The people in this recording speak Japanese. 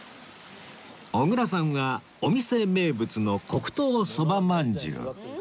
小倉さんはお店名物の黒糖そばまんじゅう